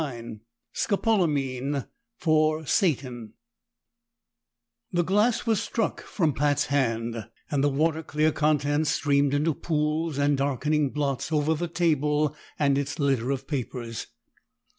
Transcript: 29 Scopolamine for Satan The glass was struck from Pat's hand, and the water clear contents streamed into pools and darkening blots over the table and its litter of papers.